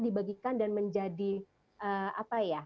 dibagikan dan menjadi apa ya